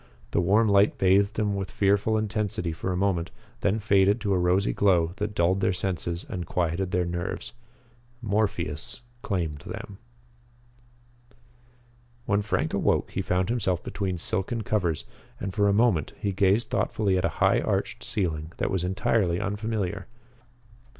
The warm light bathed them with fearful intensity for a moment, then faded to a rosy glow that dulled their senses and quieted their nerves. Morpheus claimed them. When Frank awoke he found himself between silken covers, and for a moment he gazed thoughtfully at a high arched ceiling that was entirely unfamiliar.